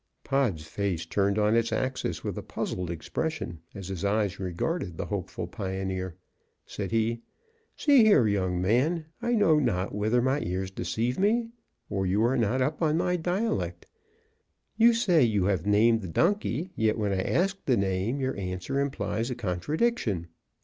Pod's face turned on its axis with a puzzled expression, as his eyes regarded the hopeful pioneer. Said he, "See here, young man, I know not whether my ears deceive me, or you are not up on my dialect; you say you have named the donkey, yet, when I ask the name, your answer implies a contradiction.